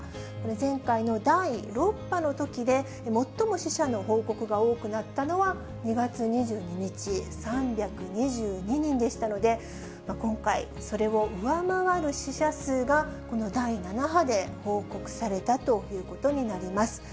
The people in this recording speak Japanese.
前回の第６波のときで、最も死者の報告が多くなったのは、２月２２日、３２２人でしたので、今回、それを上回る死者数がこの第７波で報告されたということになります。